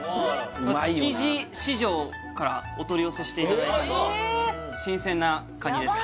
築地市場からお取り寄せしていただいた新鮮なカニです